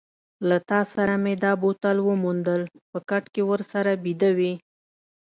له تا سره مې دا بوتل وموندل، په کټ کې ورسره بیده وې.